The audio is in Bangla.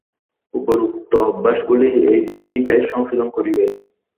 উপরি-উক্ত অভ্যাসগুলি এই ত্রুটি বেশ সংশোধন করিবে।